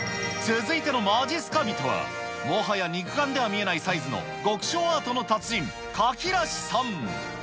続いてのまじっすか人は、もはや肉眼では見えないサイズの極小アートの達人、かきらしさん。